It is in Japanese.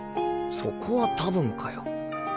そこは多分かよ。